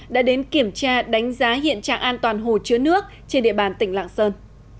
đã đến kiểm tra đánh giá hiện trạng an toàn hồ chứa nước trên địa bàn tỉnh lạng sơn